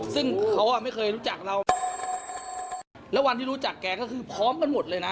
ซึ่งเขาอ่ะไม่เคยรู้จักเราแล้ววันที่รู้จักแกก็คือพร้อมกันหมดเลยนะ